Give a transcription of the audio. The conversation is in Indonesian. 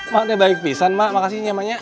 mak dia baik pisan mak makasihnya maknya